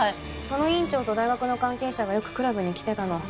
その院長と大学の関係者がよくクラブに来てたの。